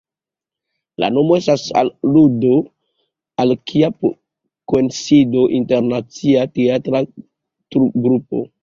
La nomo estas aludo al Kia koincido, internacia teatra grupo.